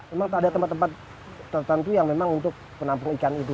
memang tak ada tempat tempat tertentu yang memang untuk penampung ikan itu